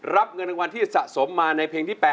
รับเงินรางวัลที่สะสมมาในเพลงที่๘